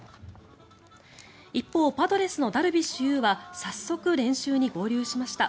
一方パドレスのダルビッシュ有は早速、練習に合流しました。